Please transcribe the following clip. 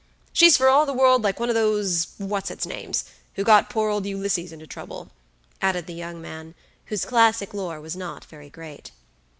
She's for all the world like one of those what's its names, who got poor old Ulysses into trouble," added the young man, whose classic lore was not very great.